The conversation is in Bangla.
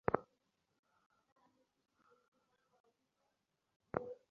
বস্তুত ঈশ্বর প্রত্যেক ধর্মেই রহিয়াছেন।